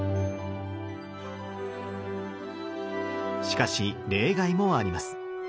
しかし例外もあります。